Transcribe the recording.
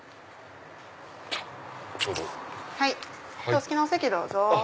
お好きなお席どうぞ。